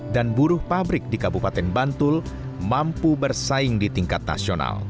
dan buruh pabrik di kabupaten bantul mampu bersaing di tingkat nasional